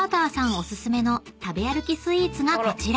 お薦めの食べ歩きスイーツがこちら］